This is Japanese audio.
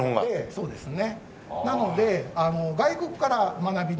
そうですね。